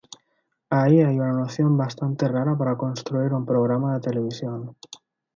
Ahí hay una noción bastante rara para construir un programa de televisión.